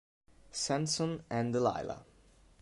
Samson and Delilah